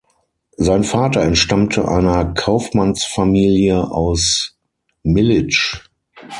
Sein Vater entstammte einer Kaufmannsfamilie aus Militsch.